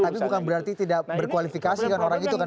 tapi bukan berarti tidak berkualifikasi kan orang itu kan